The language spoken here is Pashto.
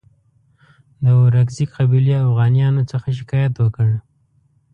د ورکزي قبیلې اوغانیانو څخه شکایت وکړ.